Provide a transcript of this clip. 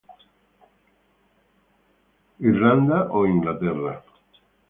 Ireland or England?